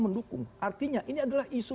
mendukung artinya ini adalah isu